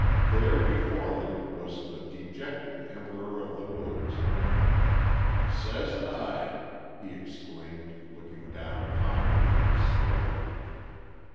There, before them, was the dejected "Emperor of the Woods." "Says I!" he exclaimed, looking down calmly from his throne.